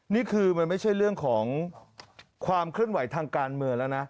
นี่คือมันไม่ใช่เรื่องของความเคลื่อนไหวทางการเมืองแล้วนะ